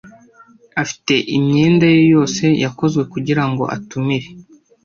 Afite imyenda ye yose yakozwe kugirango atumire.